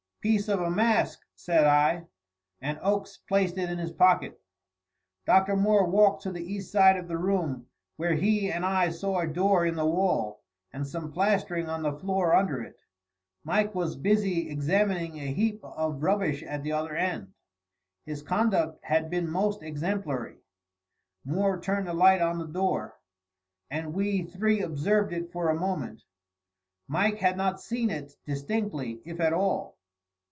"Piece of a mask," said I; and Oakes placed it in his pocket. Dr. Moore walked to the east side of the room, where he and I saw a door in the wall, and some plastering on the floor under it. Mike was busy examining a heap of rubbish at the other end. His conduct had been most exemplary. Moore turned the light on the door, and we three observed it for a moment. Mike had not seen it distinctly, if at all.